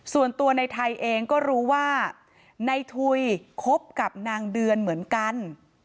ส่วนตัวในไทยเองก็รู้ว่าในทุยคบกับนางเดือนเหมือนกัน